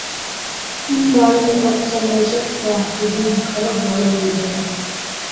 تین دہائیوں میں پاکستانی معیشت کا حجم کھرب ڈالرہوجائےگا